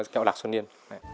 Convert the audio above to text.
kẹo lạc xuân yên